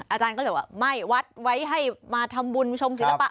อาจารย์ก็เลยว่าไม่วัดไว้ให้มาทำบุญชมศิลปะ